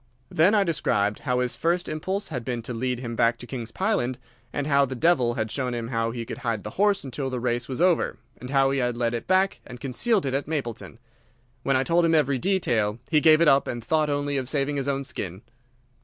Then I described how his first impulse had been to lead him back to King's Pyland, and how the devil had shown him how he could hide the horse until the race was over, and how he had led it back and concealed it at Mapleton. When I told him every detail he gave it up and thought only of saving his own skin."